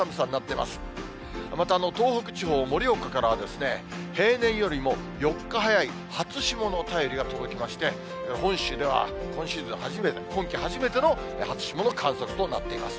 また東北地方、盛岡からは、平年よりも４日早い初霜の便りが届きまして、本州では今シーズン初めて、今季初めての初霜の観測になっています。